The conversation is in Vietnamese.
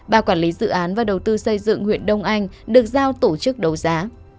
ba quản lý dự án và đầu tư xây dựng huyện đông anh được giao tổ chức đấu giá